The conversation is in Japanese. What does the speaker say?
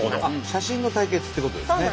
写真の対決ってことですね。